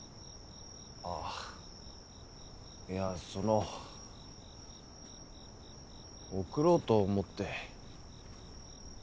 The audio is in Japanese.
あぁいやその送ろうと思って。